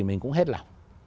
mình cũng hết lòng